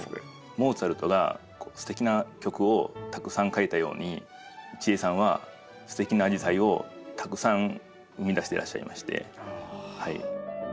モーツァルトがすてきな曲をたくさん書いたように一江さんはすてきなアジサイをたくさん生み出してらっしゃいまして。